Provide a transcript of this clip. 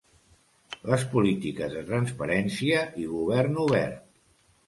Les polítiques de transparència i govern obert.